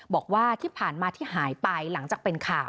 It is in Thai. บอกว่าที่ผ่านมาที่หายไปหลังจากเป็นข่าว